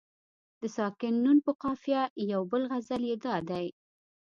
د ساکن نون په قافیه یو بل غزل یې دادی.